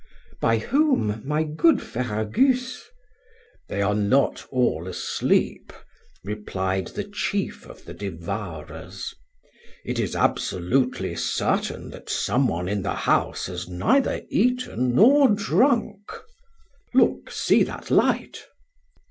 "By whom, my good Ferragus?" "They are not all asleep," replied the chief of the Devourers; "it is absolutely certain that some one in the house has neither eaten nor drunk.... Look! see that light!"